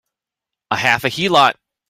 A half a heelot!